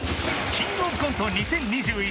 キングオブコント２０２１